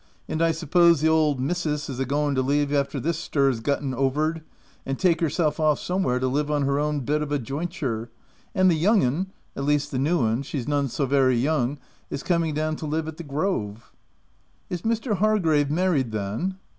And I suppose the old misses is agoing to leave after this stir's gotten overed, and take herself off, somewhere, to live on her bit of a jointure ; and the young 'un — at least the new 'un (she's none so very young) is coming down to live at the Grove." "Is Mr. Hargrave married, then?''